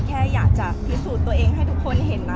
แค่อยากจะพิสูจน์ตัวเองให้ทุกคนเห็นนะ